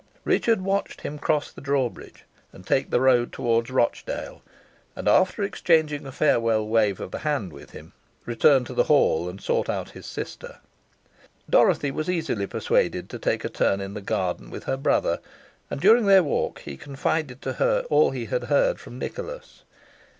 Richard watched him cross the drawbridge, and take the road towards Rochdale, and, after exchanging a farewell wave of the hand with him, returned to the hall and sought out his sister. Dorothy was easily persuaded to take a turn in the garden with her brother, and during their walk he confided to her all he had heard from Nicholas.